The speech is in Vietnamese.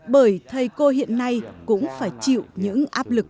bởi thầy cô hiện nay cũng phải chịu những áp lực